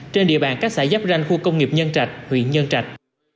trên địa bàn các xã giáp ranh khu công nghiệp nhân trạch huyện nhân trạch